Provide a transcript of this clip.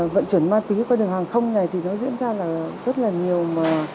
vận chuyển ma túy qua đường hàng không này thì nó diễn ra là rất là nhiều mà